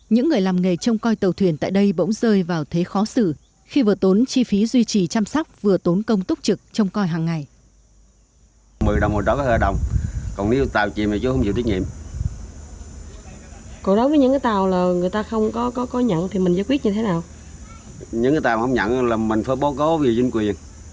những người làm nghề trông coi tàu thuyền tại đây bỗng rơi vào thế khó xử khi vừa tốn chi phí duy trì chăm sóc vừa tốn công túc trực trông coi hàng ngày